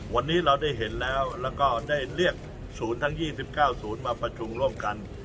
วันนี้เราได้เห็นแล้วแล้วก็ได้เรียกศูนย์ทั้ง๒๙ศูนย์มาประชุมร่วมกัน